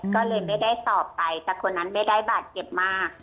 ก็เลยไม่ได้สอบไปแต่คนนั้นไม่ได้บาดเจ็บมาก